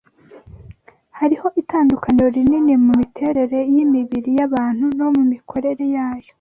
Hariho itandukaniro rinini mu miterere y’imibiri y’abantu no mu mikorere yayo